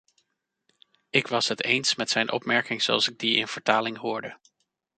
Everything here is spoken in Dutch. Ik was het eens met zijn opmerking zoals ik die in vertaling hoorde.